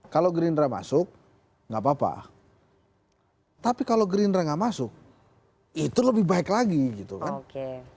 kalau gerindra masuk nggak apa apa tapi kalau gerindra nggak masuk itu lebih baik lagi gitu kan